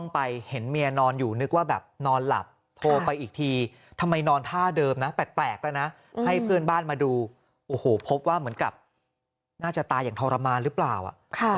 อภพว่าเหมือนกับน่าจะตายอย่างทรมานหรือเปล่าอ่ะค่ะ